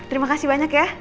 terima kasih banyak ya